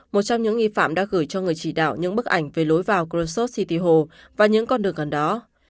một trong những nghi phạm đã gửi cho người chỉ đạo những bức ảnh về lối vào cronsos city hal và những con đường gần đó